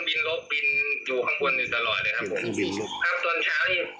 พวกมันกลับมาเมื่อเวลาที่สุดพวกมันกลับมาเมื่อเวลาที่สุด